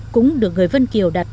cúng được người vân kiều đặt